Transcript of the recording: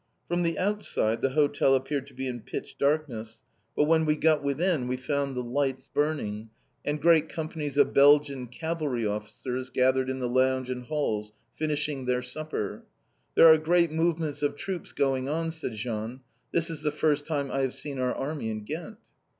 From the outside, the hotel appeared to be in pitch darkness, but when we got within we found lights burning, and great companies of Belgian cavalry officers gathered in the lounge, and halls, finishing their supper. "There are great movements of troops going on," said Jean. "This is the first time I have seen our army in Ghent."